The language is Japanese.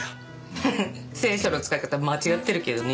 フフッ聖書の使い方間違ってるけどね。